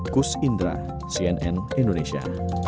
kus indra cnn indonesia